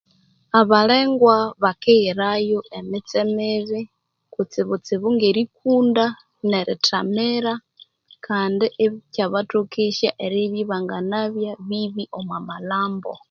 Abalengwa bakighirayo emitse mibi kutsitsibu ngerikunda neritamira kandi ikyabatokesya eribya ibanganabya bibi omwamalhambi